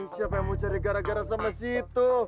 siapa yang mau cari gara gara sama situ